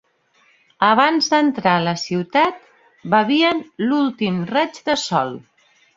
Abans d'entrar a la ciutat bevien l'últim raig de sol